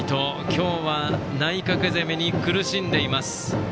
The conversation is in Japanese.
今日は内角攻めに苦しんでいます。